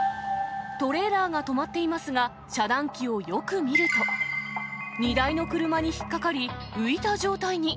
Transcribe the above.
トレーラーが止まっていますが、遮断機をよく見ると、荷台の車に引っ掛かり、浮いた状態に。